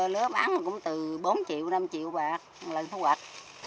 một lứa bán cũng từ bốn triệu năm triệu bạc lần thu hoạch